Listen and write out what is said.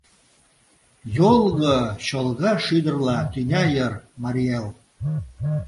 Йолго чолга шӱдырла тӱня йыр, Марий Эл!